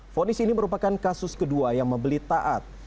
fonis ini merupakan kasus kedua yang membeli taat